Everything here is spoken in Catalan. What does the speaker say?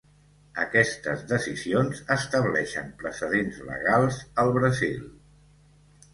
Aquestes decisions estableixen precedents legals al Brasil.